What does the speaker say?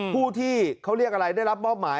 ผู้ที่เขาเรียกอะไรได้รับมอบหมาย